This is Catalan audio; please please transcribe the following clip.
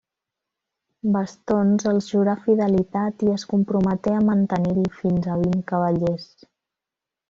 Bastons els jurà fidelitat i es comprometé a mantenir-hi fins a vint cavallers.